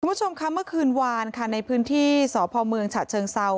คุณผู้ชมค่ะเมื่อคืนวานค่ะในพื้นที่สพเมืองฉะเชิงเซา